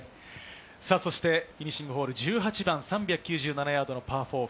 フィニッシングホール、１８番３９７ヤードのパー４。